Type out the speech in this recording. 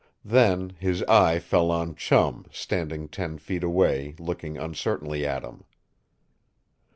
Then his eye fell on Chum, standing ten feet away, looking uncertainly at him.